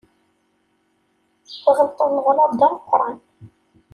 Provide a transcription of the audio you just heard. Tɣelṭeḍ leɣlaḍ d ameqqran.